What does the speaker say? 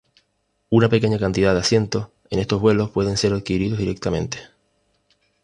Una pequeña cantidad de asientos en estos vuelos pueden ser adquiridos directamente.